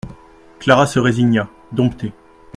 Clara se résigna, domptée.